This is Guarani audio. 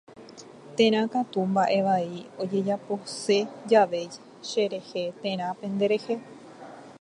Térã katu mba'evai ojejapose jave cherehe térã penderehe.